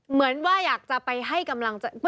เหมือนว่าอยากจะไปให้กำลังใจ